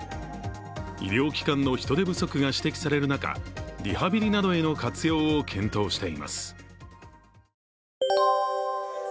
医療機関の人手不足が指摘される中、リハビリなどへの活用を検討しています。